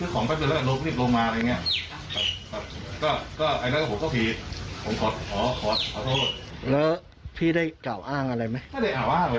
ก็ได้กล่าวอ้างเลยครับผมโหมคตได้อ้างเลย